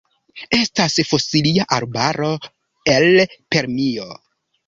Estas fosilia arbaro el Permio.